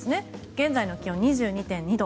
現在の気温、２２．２度。